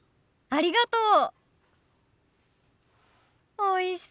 ありがとう。